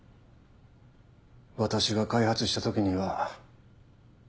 私が開発した時には。